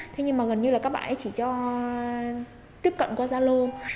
thế nhưng mà gần như là các bạn ấy chỉ cho tiếp cận qua zalo